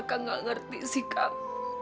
aku gak ngerti sih kang